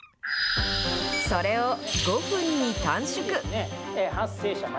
それを５分に短縮。